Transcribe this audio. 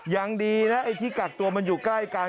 ยังดีนะไอ้ที่กักตัวมันอยู่ใกล้กัน